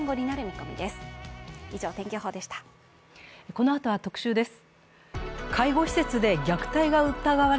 このあとは特集です。